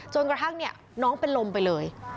จนกระทั่งเนี่ยน้องเป็นลมไปเลย